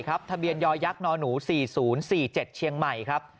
ทะเบียนยอยักษ์นหนู๔๐๔๗เชียงใหม่ครับ